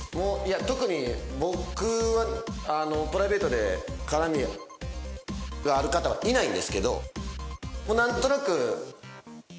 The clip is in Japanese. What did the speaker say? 特に僕はプライベートで絡みがある方はいないんですけど。